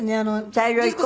茶色い子？